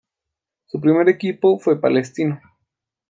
Su primer equipo fue Palestino.